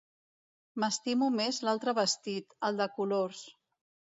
M'estimo més l'altre vestit, el de colors.